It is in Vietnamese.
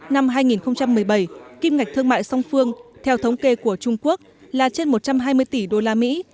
năm hai nghìn một mươi bảy kim ngạch thương mại song phương theo thống kê của trung quốc là trên một trăm hai mươi tỷ đô la mỹ